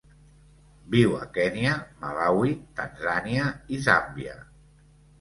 Viu a Kenya, Malawi, Tanzània i Zàmbia.